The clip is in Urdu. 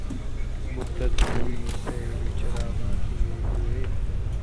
مدّت ہوئی ہے سیر چراغاں کئے ہوئے